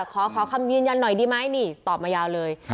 ขอคำยืนยันหน่อยดีไหมนี่ตอบมายาวเลย